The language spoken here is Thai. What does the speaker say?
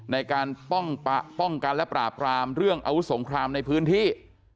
ในการป้องกันและปราบรามเรื่องอาวุธสงครามในพื้นที่